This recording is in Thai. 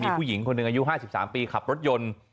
มีผู้หญิงคนหนึ่งอายุ๕๓ปีขับรถยนต์